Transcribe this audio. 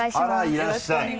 あらいらっしゃい。